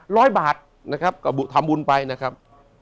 ร้อยบาทนะครับกระบุทำบุญไปนะครับ